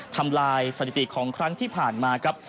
ทำลายสถิติของครั้งที่ผ่านมาครับ